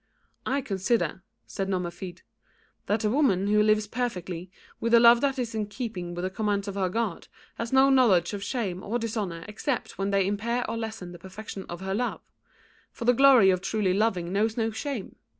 "I consider," said Nomerfide, "that a woman who lives perfectly, with a love that is in keeping with the commands of her God, has no knowledge of shame or dishonour except when they impair or lessen the perfection of her love; for the glory of truly loving knows no shame.